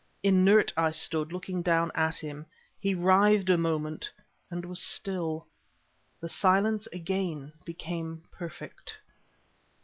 Inert I stood, looking down at him. He writhed a moment and was still. The silence again became perfect.